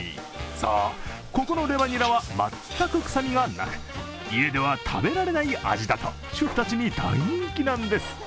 そう、ここのレバニラは全く臭みがなく家では食べられない味だと主婦たちに大人気なんです。